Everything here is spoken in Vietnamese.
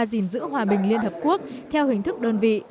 gìn giữ hòa bình liên hợp quốc theo hình thức đơn vị